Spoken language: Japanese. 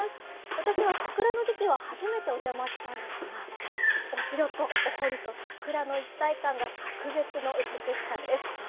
私は桜の時季は初めてお邪魔したんですがお城とお堀と桜の一体感が格別の美しさです。